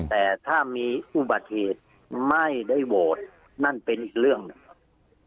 แต่ถ้ามีอุบัติเหตุไม่ได้โหวตนั่นเป็นอีกเรื่องหนึ่งครับ